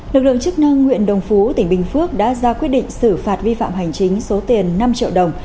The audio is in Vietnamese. lực lượng chức năng huyện đồng phú tỉnh bình phước đã ra quyết định xử phạt vi phạm hành chính số tiền năm triệu đồng